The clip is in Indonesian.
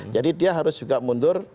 jadi dia harus juga mundur